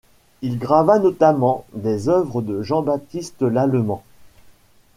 Il grava notamment des œuvres de Jean-Baptiste Lallemand.